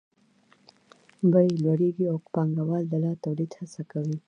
بیې لوړېږي او پانګوال د لا تولید هڅه کوي